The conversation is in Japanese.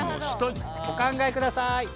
お考えください！